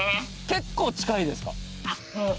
結構近いですか？